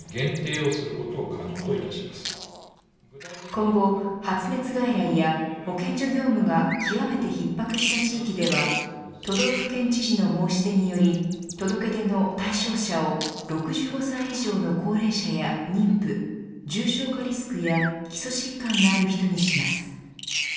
今後、発熱外来や保健所業務が極めて逼迫した地域では都道府県知事の申し出により届け出の対象者を６５歳以上の高齢者や妊婦、重症化リスクや基礎疾患のある人にします。